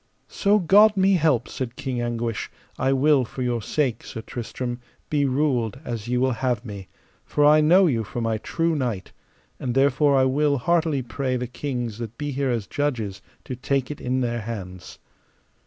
So God me help, said King Anguish, I will for your sake; Sir Tristram, be ruled as ye will have me, for I know you for my true knight; and therefore I will heartily pray the kings that be here as judges to take it in their hands.